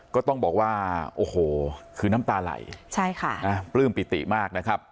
ก็ต้องบอกว่าโอ้โหคือน้ำตาไหลใช่ค่ะปลื้มปิติมากนะครับ